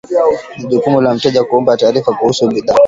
Ni jukumu la mteja kuomba taarifa kuhusu bidhaa